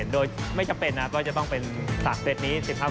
โดยไม่จำเป็นว่าจะต้องเป็นสัตว์เซ็ตนี้